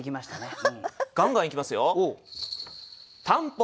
ガンガンいきますよ。